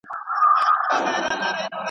حیوانان ورته راتلل له نیژدې لیري !.